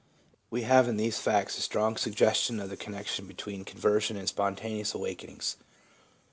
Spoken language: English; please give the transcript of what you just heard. We have in these facts a strong suggestion of the connection between conversion and spontaneous awak enings.